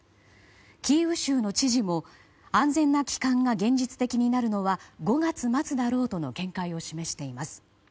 キーウ州の知事も安全な帰還が現実的になるのは５月末だろうとの見解を示しています。